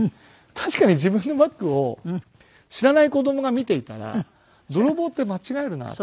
確かに自分のバッグを知らない子供が見ていたら泥棒って間違えるなって。